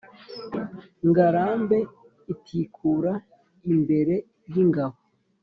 Ngarambe itikura imbere y' ingabo